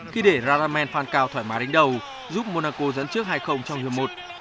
khi để radaman phan cao thoải mái đánh đầu giúp monaco dẫn trước hai trong hiệu một